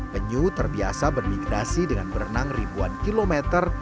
penyu terbiasa bermigrasi dengan berenang ribuan kilometer